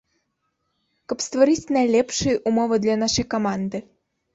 Каб стварыць найлепшыя умовы для нашай каманды.